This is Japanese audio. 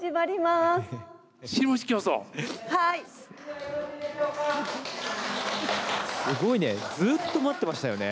すごいねずっと待ってましたよね。